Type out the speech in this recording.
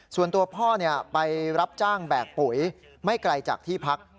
ส่วนตัวพ่อไปรับจ้างแบกปุ๋ยไม่ไกลจากที่พัก